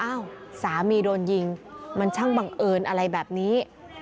สามีโดนยิงมันช่างบังเอิญอะไรแบบนี้